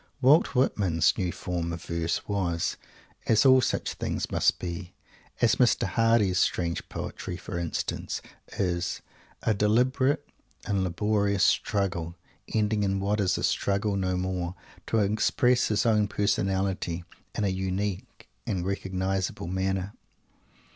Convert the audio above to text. Walt Whitman's New Form of Verse was, as all such things must be, as Mr. Hardy's strange poetry, for instance, is, a deliberate and laborious struggle ending in what is a struggle no more to express his own personality in a unique and recognisable manner.